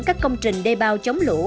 các công trình đê bao chống lũ